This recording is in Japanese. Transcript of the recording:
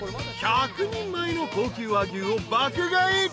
［１００人前の高級和牛を爆買い］